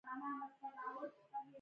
اومیل یا اوبل د هغوی له مشرانو څخه وو.